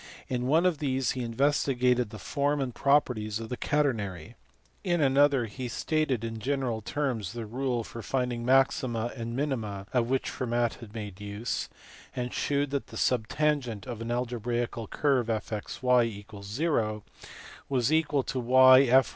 In one of these he investigated the form and properties of the catenary. In another he stated in general terms the rule for finding maxima and minima of which Fermat had made use, and shewed that the sub tangent of an algebraical curve f ( x > y) = was equal to #/],//*.